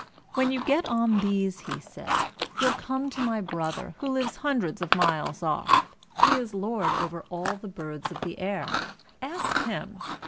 ] "When you get on these," he said, "you'll come to my brother, who lives hundreds of miles off; he is lord over all the birds of the air. Ask him.